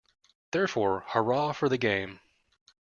Therefore, hurrah for the game.